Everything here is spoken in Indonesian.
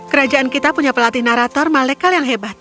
kerajaan kita punya pelatih narator malekal yang hebat